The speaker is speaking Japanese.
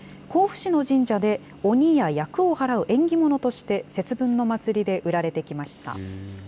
甲府市の神社で、鬼や厄を払う縁起物として、節分の祭りで売られてきました。